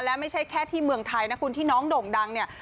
และไม่ใช่แค่ที่เมืองไทยนะคุณที่น้องโด่งดังเนี่ย